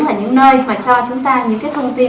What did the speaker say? ở những nơi mà cho chúng ta những cái thông tin